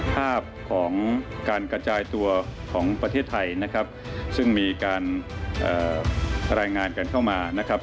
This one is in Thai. ภาพของการกระจายตัวของประเทศไทยซึ่งมีการรายงานกันเข้ามา